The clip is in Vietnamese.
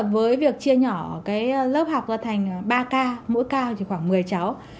với việc chia nhỏ lớp học ra thành ba ca mỗi ca chỉ khoảng một mươi cháu